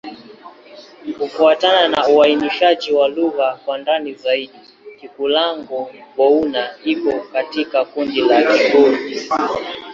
Kufuatana na uainishaji wa lugha kwa ndani zaidi, Kikulango-Bouna iko katika kundi la Kigur.